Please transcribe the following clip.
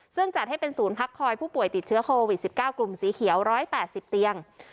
ซึ่งจัดให้เป็นศูนย์พักคอยผู้ป่วยติดเชื้อโควิด๑๙กลุ่มสีเขียว๑๘๐เตียง